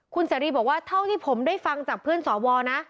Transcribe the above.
คุณเสรีบอกว่าเท่าที่ผมได้ฟังจากเพื่อนสวนะ